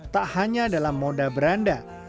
tak hanya dalam moda beranda